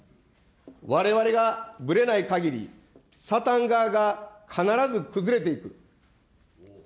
われわれがぶれないかぎり、サタン側が必ず崩れていく。